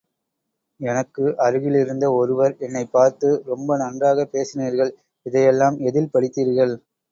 எனக்கு அருகிலிருந்த ஒருவர் என்னைப் பார்த்து, ரொம்ப நன்றாகப் பேசினீர்கள், இதையெல்லாம் எதில் படித்தீர்கள்?